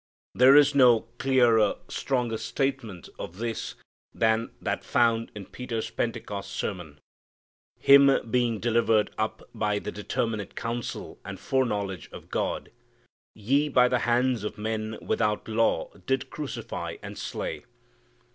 There is no clearer, stronger statement of this than that found in Peter's Pentecost sermon: "Him being delivered up by the determinate counsel and foreknowledge of God, ye by the hands of men without law did crucify and slay."